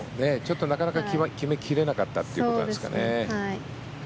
なかなか決め切れなかったということですかね。